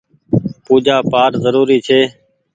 پوجآ پآٽ زروري ڇي۔